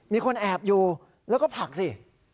มีคนแอบอยู่แล้วก็ผลักสิ